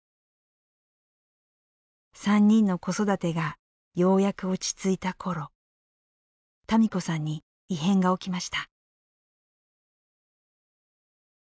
３人の子育てがようやく落ち着いたころ多美子さんに異変が起きました。